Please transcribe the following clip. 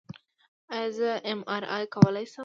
ایا زه ایم آر آی کولی شم؟